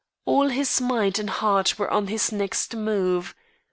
All his mind and heart were on his next move.